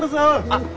あっ。